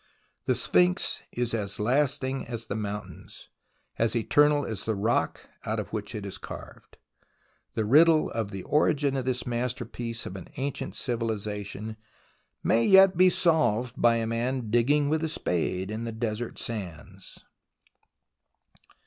The Sphinx is as lasting as the mountains, as eternal as the rock out of which it is carved. The riddle of the origin of this masterpiece of an ancient civilization may yet be solved by a man digging with a spade in the desert sands.